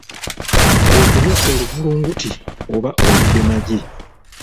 Okulya oluvulunguti oba olidde magi.